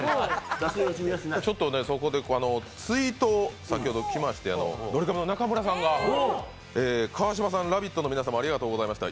ちょっとそこでツイート先ほどきましてドリカムの中村さんが、川島さん、「ラヴィット！」の皆さんありがとうございました。